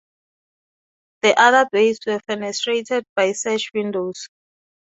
The other bays were fenestrated by sash windows.